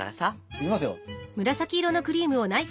いきますよ。